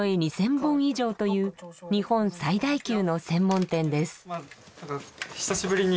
本以上という日本最大級の専門店です。